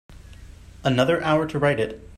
Another hour to write it.